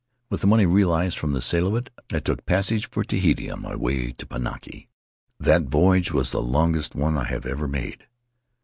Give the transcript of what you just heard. With the money realized from the sale of it I took passage for Tahiti on my way to Pinaki. "That voyage was the longest one I have ever made.